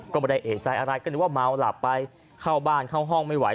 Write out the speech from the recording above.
ก็ไม่ได้เอกใจอะไรก็นึกว่าเมาหลับไปเข้าบ้านเข้าห้องไม่ไหว